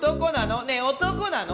男なの？